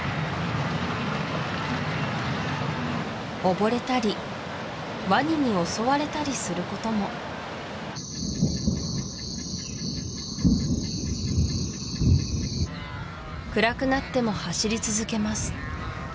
溺れたりワニに襲われたりすることも暗くなっても走り続けます